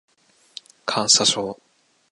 感謝状